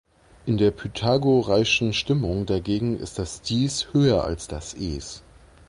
In der pythagoreischen Stimmung dagegen ist das "Dis" höher als das "Es".